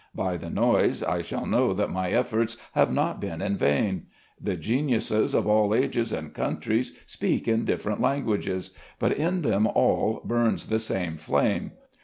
By the noise I shall know that my efforts have not been in vain. The geniuses of all ages and countries speak in different languages; but in them all burns the same flame.